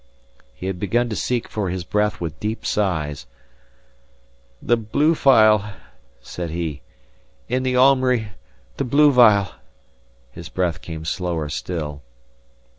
He had begun to seek for his breath with deep sighs. "The blue phial," said he "in the aumry the blue phial." His breath came slower still.